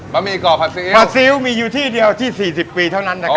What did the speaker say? บะหมี่ก่อผัดซิลมีอยู่ที่เดียวที่สี่สิบปีเท่านั้นนะครับ